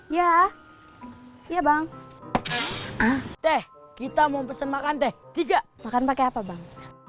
ya iya bang teh kita mau pesen makan teh tiga makan pakai apa bang